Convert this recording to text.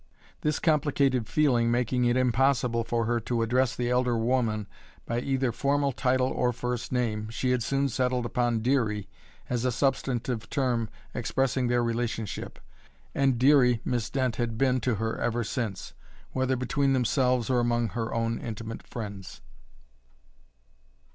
This complicated feeling making it impossible for her to address the elder woman by either formal title or first name, she had soon settled upon "Dearie" as a substantive term expressing their relationship, and "Dearie" Miss Dent had been to her ever since, whether between themselves or among her own intimate friends.